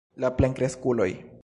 La plenkreskuloj.